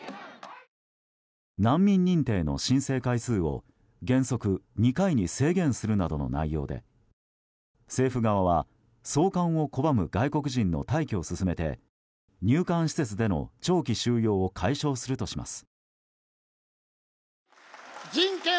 難民認定の申請階数を原則２回に制限するなどの内容で政府側は送還を拒む外国人の退去を進めて入管施設での長期収容を解消するとします。